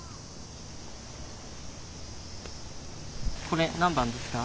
これ何番ですか？